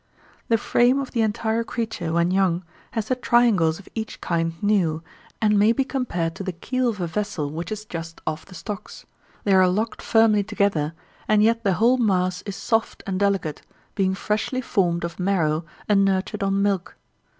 The frame of the entire creature when young has the triangles of each kind new, and may be compared to the keel of a vessel which is just off the stocks; they are locked firmly together and yet the whole mass is soft and delicate, being freshly formed of marrow and nurtured on milk.